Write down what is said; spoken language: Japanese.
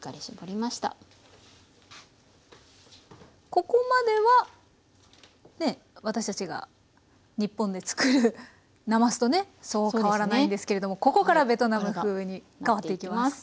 ここまではね私たちが日本で作るなますとねそう変わらないんですけれどもここからベトナム風に変わっていきます。